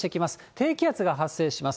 低気圧が発生します。